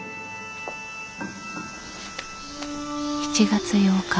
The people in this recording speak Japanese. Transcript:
７月８日